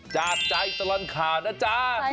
จากใจตลังคานะจ๊ะ